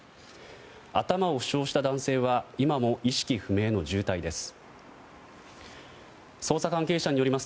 頭を負傷した男性は今も意識不明の重体です。